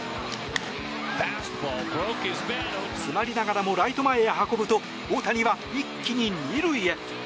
詰まりながらもライト前へ運ぶと大谷は一気に２塁へ。